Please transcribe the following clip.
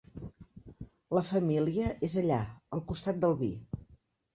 La família és allà, al costat del vi.